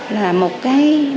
là một cái điều rất là vui vẻ